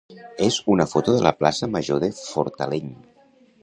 és una foto de la plaça major de Fortaleny.